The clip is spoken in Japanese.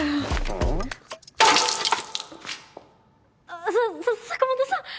あさ坂本さん！